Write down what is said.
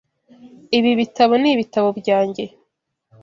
Ibi bitabo nibitabo byanjye.